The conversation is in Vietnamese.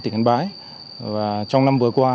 tỉnh yên bái và trong năm vừa qua